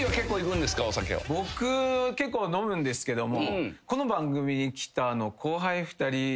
僕結構飲むんですけども。